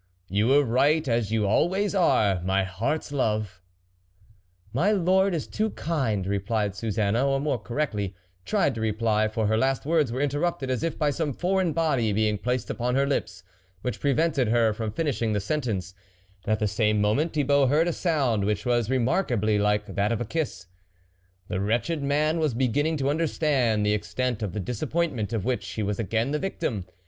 " You were right as you always are, my heart's love." 66 THE WOLF LEADER My lord is too kind," replied Suzanne r, more correctly, tried to reply, for her last words were interrupted as if by some foreign body being placed upon her lips, which prevented her from finishing the sentence ; and at the same moment, Thibault heard a sound which was re markably like that of a kiss. The wret ched man was beginning to understand the extent of the disappointment of which he was again the victim.